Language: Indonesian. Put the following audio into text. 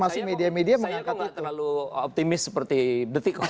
saya kok gak terlalu optimis seperti detik kok